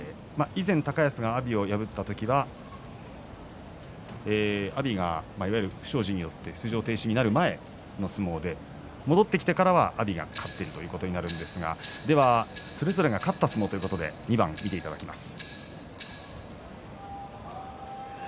以前、高安が阿炎を破った時は阿炎がいわゆる不祥事によって出場停止になる前の相撲で戻ってきてからは阿炎が勝っているということになるんですがそれぞれが勝った相撲２番見ていただきます。